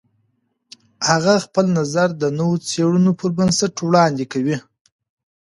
هغه خپل نظر د نوو څېړنو پر بنسټ وړاندې کوي.